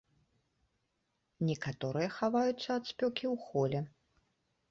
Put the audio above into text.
Некаторыя хаваюцца ад спёкі ў холе.